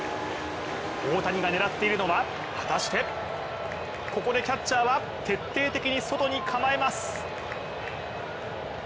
大谷が狙っているのは果たしてここでキャッチャーは徹底的に外に構えます。